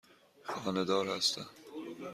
خانه دار هستم.